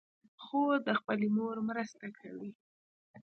خور د خپلې مور مرسته کوي.